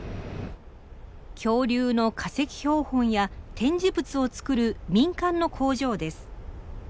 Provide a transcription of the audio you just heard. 恐竜の化石標本や展示物を作る民間の工場です。